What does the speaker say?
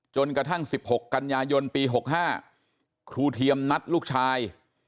กระทั่ง๑๖กันยายนปี๖๕ครูเทียมนัดลูกชาย